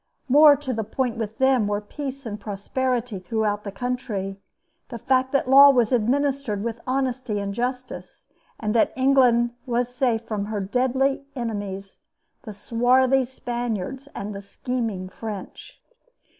More to the point with them were peace and prosperity throughout the country, the fact that law was administered with honesty and justice, and that England was safe from her deadly enemies the swarthy Spaniards and the scheming French.